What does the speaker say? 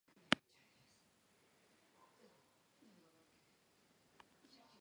შეისწავლა ქართული ხუროთმოძღვრული ძეგლების ნიმუშები, დაეუფლა ქვის მხატვრულად დამუშავების ძნელ პროფესიას.